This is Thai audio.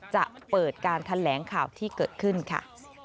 จะเปิดการแถลงข่าวที่เกิดขึ้นค่ะ